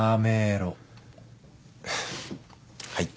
はい。